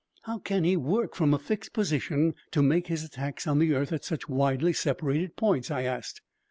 "How can he work from a fixed position to make his attacks on the earth at such widely separated points?" I asked.